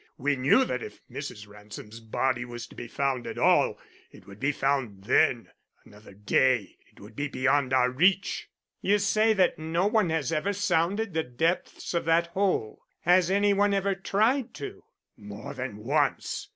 We knew that if Mrs. Ransom's body was to be found at all, it would be found then; another day it would be beyond our reach." "You say that no one has ever sounded the depths of that hole. Has any one ever tried to?" "More than once.